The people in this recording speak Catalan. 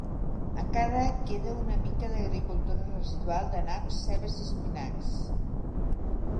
Encara queda una mica d'agricultura residual de naps, cebes i espinacs.